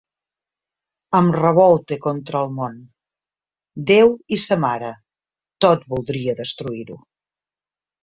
Em revolte contra el món, Déu i sa Mare: tot voldria destruir-ho.